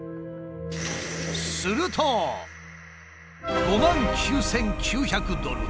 すると５万９，９００ドル